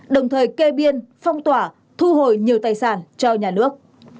đồng thời kê biên phong tỏa thu hồi nhiều tài sản cho nhà nước